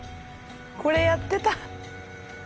これやってた。